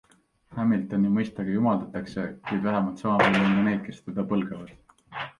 Hamiltoni mõistagi jumaldatakse, kuid vähemalt sama palju on ka neid, kes teda põlgavad.